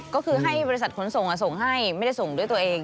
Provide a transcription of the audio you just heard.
ก็คือให้บริษัทขนส่งส่งให้ไม่ได้ส่งด้วยตัวเอง